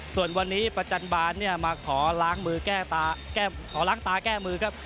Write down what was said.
ส่วนวันนี้ประจันบาลเนี่ยมาขอล้างมือขอล้างตาแก้มือครับ